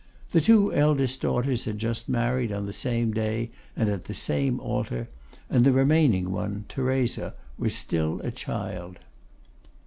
The two eldest daughters had just married, on the same day, and at the same altar; and the remaining one, Theresa, was still a child.